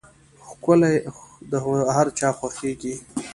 ښکلي د هر چا خوښېږي.